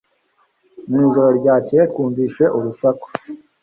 Mu ijoro ryakeye twumvise urusaku